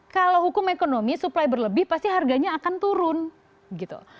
kalau hukum ekonomi supply berlebih pasti harganya akan turun gitu